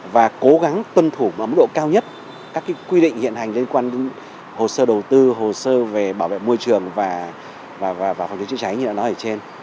và cố gắng tuân thủ ấm độ cao nhất các quy định hiện hành liên quan đến hồ sơ đầu tư hồ sơ về bảo vệ môi trường và phòng cháy chữa cháy như đã nói ở trên